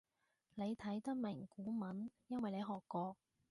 你睇得明古文因為你學過